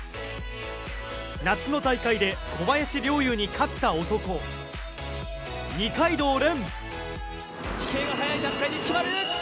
夏の大会で小林陵侑に勝った男・二階堂蓮。